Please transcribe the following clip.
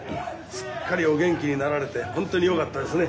すっかりお元気になられてホントによかったですね。